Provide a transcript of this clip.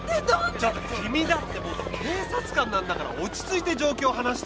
ちょっと君だって元警察官なんだから落ち着いて状況を話して！